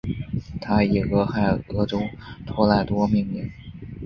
它以俄亥俄州托莱多命名。